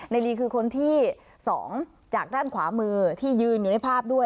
ลีคือคนที่๒จากด้านขวามือที่ยืนอยู่ในภาพด้วย